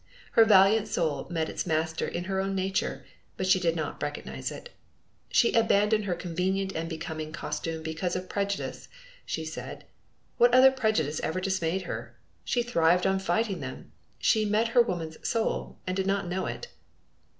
Her valiant soul met its master in her own nature, but she did not recognize it. She abandoned her convenient and becoming costume because of prejudice, she said. What other prejudice ever dismayed her! She thrived on fighting them; she met her woman's soul, and did not know it!